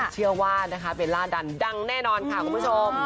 เชื่อว่านะคะเบลล่าดันดังแน่นอนค่ะคุณผู้ชม